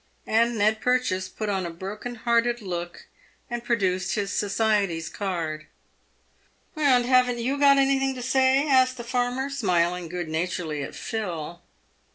And Ned Purchase put on a broken hearted look, and produced his society's card. " And haven't you got anything to say ?" asked the farmer, smiling good naturedly at Phil.